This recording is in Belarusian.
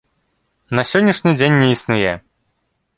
На сённяшні дзень не існуе.